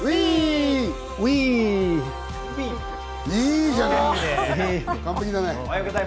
いいじゃない！